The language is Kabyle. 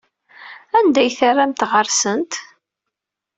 Anda ay ternamt ɣer-sent?